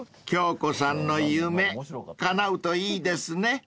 ［京子さんの夢かなうといいですね］